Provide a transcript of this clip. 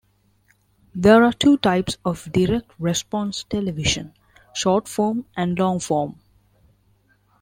There are two types of direct response television, short form and long form.